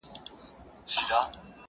پروفيسر غلام رباني تائب سرایي نورنګ